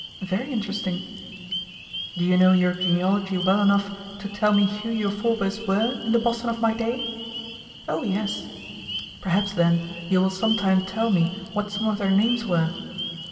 "Very interesting." "Do you know your genealogy well enough to tell me who your forbears were in the Boston of my day?" "Oh, yes." "Perhaps, then, you will some time tell me what some of their names were."